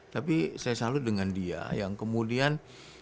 tapi saya salut dengan dia yang kemudian